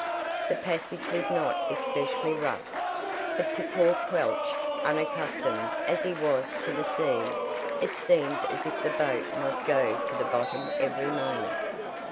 The passage was not especially rough, but to poor Quelch, unaccustomed as he was to the sea, it seemed as if the boat must go to the bottom every moment.